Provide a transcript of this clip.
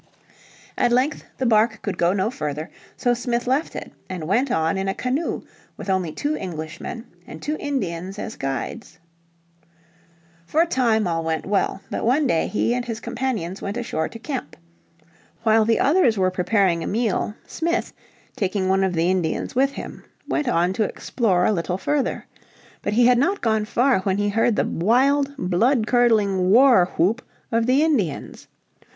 At length the barque could go no further, so Smith left it, and went on in a canoe with only two Englishmen, and two Indians as guides. For a time all went well. But one day he and his companions went ashore to camp. While the others were preparing a meal, Smith, taking one of the Indians with him, went on to explore a little further. But he had not gone far when he heard the wild, blood curdling war whoop of the Indians.